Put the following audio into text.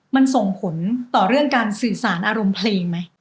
มันส่งผลต่อเรื่องการสื่อสารอารมณ์เพลงไหม